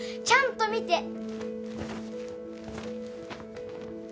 ちゃんと見て。